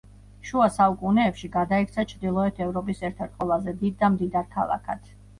შუა საუკუნეებში გადაიქცა ჩრდილოეთი ევროპის ერთ-ერთ ყველაზე დიდ და მდიდარ ქალაქად.